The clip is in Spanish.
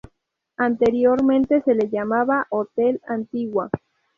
Anteriormente se le llamaba "Hotel Antigua".